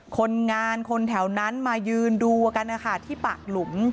คนงานคนแถวนั้นมายืนดูที่ปะหลุม